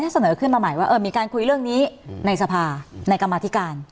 เสนอขึ้นมาใหม่ว่ามีการคุยเรื่องนี้ในสภาในกรรมาธิการ